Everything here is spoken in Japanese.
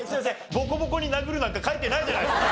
ボコボコに殴るなんか書いてないじゃないですか。